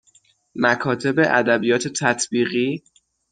مکاتب ادبیات تطبیقی